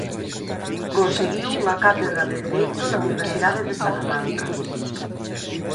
Conseguiu unha cátedra de Dereito na Universidade de Salamanca.